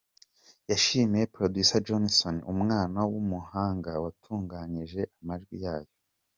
Yashimiye Producer Johnson umwana w’umuhanga watunganyije amajwi yayo.